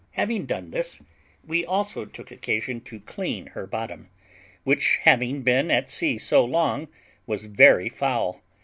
Having done this, we also took occasion to clean her bottom, which, having been at sea so long, was very foul.